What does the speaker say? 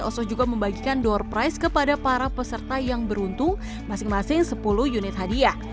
oso juga membagikan door price kepada para peserta yang beruntung masing masing sepuluh unit hadiah